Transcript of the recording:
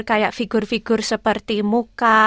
kayak figur figur seperti muka